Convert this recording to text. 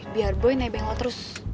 biar boy nebeng lo terus